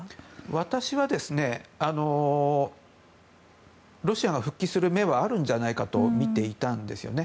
私はロシアが復帰する目はあるんじゃないかと見ていたんですよね。